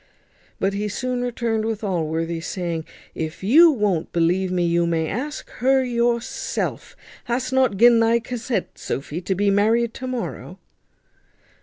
But he soon returned with Allworthy, saying, "If you won't believe me, you may ask her yourself. Hast nut gin thy consent, Sophy, to be married to morrow?"